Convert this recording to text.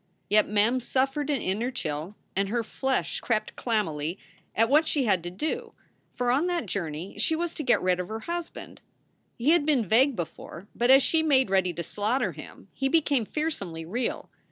Yet Mem suffered an inner chill and her flesh crept clam mily at what she had to do; for on that journey she was to get rid of her husband. He had been vague before, but as she made ready to slaughter him he became fearsomely real.